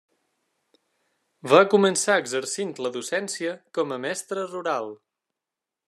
Va començar exercint la docència com a mestre rural.